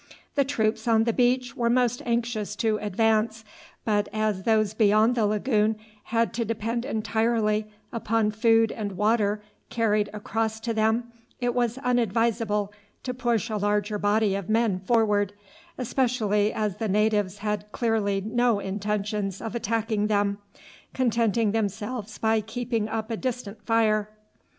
The troops on the beach were most anxious to advance, but as those beyond the lagoon had to depend entirely upon food and water carried across to them, it was unadvisable to push a larger body of men forward, especially as the natives had clearly no intentions of attacking them, contenting themselves by keeping up a distant fire.